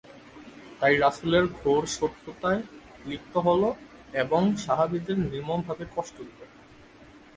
তাই রাসূলের ঘোর শত্রুতায় লিপ্ত হল এবং সাহাবীদের নির্মমভাবে কষ্ট দিল।